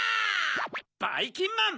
ばいきんまん！